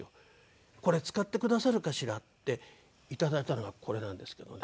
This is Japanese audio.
「これ使ってくださるかしら？」っていただいたのがこれなんですけどもね。